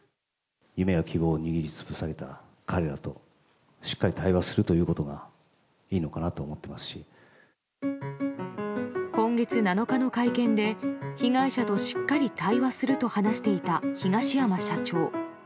夢や希望を握りつぶされた彼らと、しっかり対話するということがい今月７日の会見で、被害者としっかり対話すると話していた東山社長。